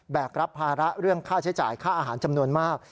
กรับภาระเรื่องค่าใช้จ่ายค่าอาหารจำนวนมาก